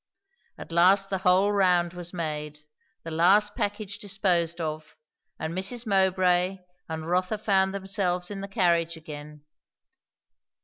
At last the whole round was made, the last package disposed of, and Mrs. Mowbray and Rotha found themselves in the carriage again.